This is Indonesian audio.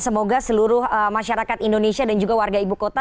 semoga seluruh masyarakat indonesia dan juga warga ibu kota